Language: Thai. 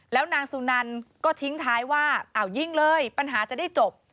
แล้วนางสุนันก็ทิ้งท้ายว่าอ้าวยิงเลยปัญหาจะได้จบ